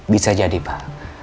bisa jadi pak